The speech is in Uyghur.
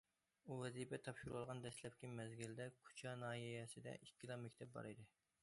ئۇ ۋەزىپە تاپشۇرۇۋالغان دەسلەپكى مەزگىلدە، كۇچا ناھىيەسىدە ئىككىلا مەكتەپ بار ئىدى.